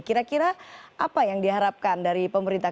kira kira apa yang diharapkan dari pemerintah